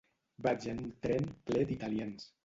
Vaig en un tren ple d'italians.